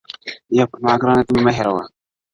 يه پر ما گرانه ته مي مه هېروه.